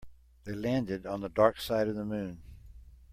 They landed on the dark side of the moon.